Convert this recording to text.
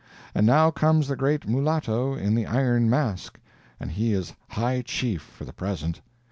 And now comes the great Mulatto in the Iron Mask, and he is high chief for the present.